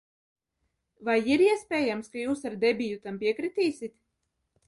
Vai ir iespējams, ka jūs ar Debiju tam piekritīsiet?